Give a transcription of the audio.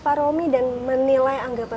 pak romi dan menilai anggapan